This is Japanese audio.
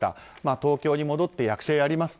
東京に戻って役者やりますと。